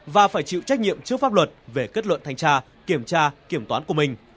và phải chịu trách nhiệm trước pháp luật về kết luận thanh tra kiểm tra kiểm toán của mình